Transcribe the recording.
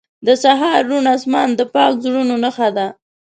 • د سهار روڼ آسمان د پاک زړونو نښه ده.